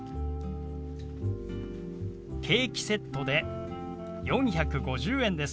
ケーキセットで４５０円です。